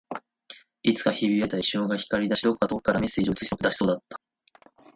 いつかひび割れた液晶が光り出し、どこか遠くからのメッセージを映し出しそうだった